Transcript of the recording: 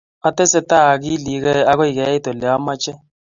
Atesetai akilikei akoi keit ole amoche